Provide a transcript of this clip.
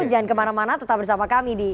jangan kemana mana tetap bersama kami di